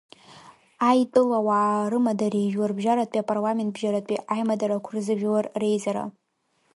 Аитәылауаа рымадареи жәларбжьаратәи апарламентбжьаратәи аимадарақәа рзы Жәлар Реизара…